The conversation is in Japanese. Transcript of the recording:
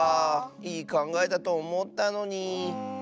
いいかんがえだとおもったのに。